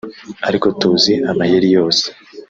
ariko tuzi amayeri yose